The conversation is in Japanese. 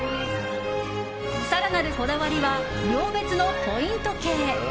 更なるこだわりは寮別のポイント計。